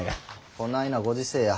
こないなご時世や。